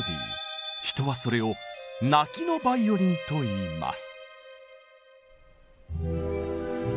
人はそれを「泣きのバイオリン」と言います。